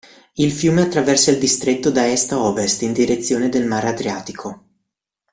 Il fiume attraversa il distretto da est a ovest in direzione del mare Adriatico.